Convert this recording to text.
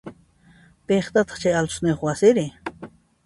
Piqpataq chay altosniyoq wasiri?